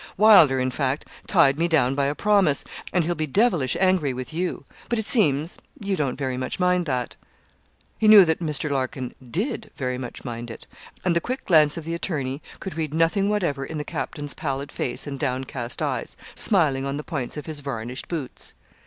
Wylder, in fact, tied me down by a promise, and he'll be devilish angry with you; but, it seems, you don't very much mind that.' He knew that Mr. Larkin did very much mind it; and the quick glance of the attorney could read nothing whatever in the captain's pallid face and downcast eyes, smiling on the points of his varnished boots.